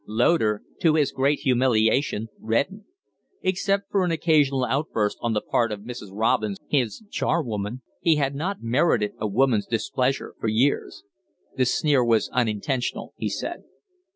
Loder, to his great humiliation, reddened. Except for an occasional outburst on the part of Mrs. Robins, his charwoman, he had not merited a woman's displeasure for years. "The sneer was unintentional," he said.